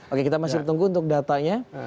oke kita masih tunggu untuk datanya